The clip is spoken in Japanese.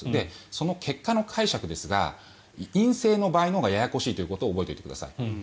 その結果の解釈ですが陰性の場合のほうがややこしいということを覚えておいてください。